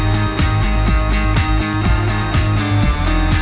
ใช่ค่ะคุณรู้จักด้วยหรอ